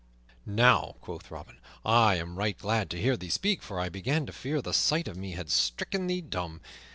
"Now," quoth Robin, "I am right glad to hear thee speak, for I began to fear the sight of me had stricken thee dumb.